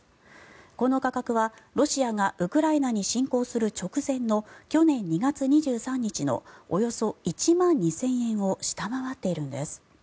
この価格は、ロシアがウクライナに侵攻する直前の去年２月２３日のおよそ１万２０００円を下回っているんです。